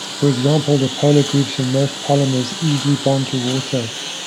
For example, the polar groups in most polymers easily bond to water.